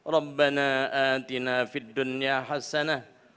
rabbana aatina fid dunya hassanah